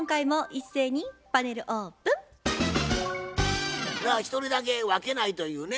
一人だけ分けないというね